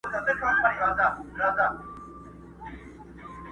شل او دېرش کاله پخوا یې ښخولم!!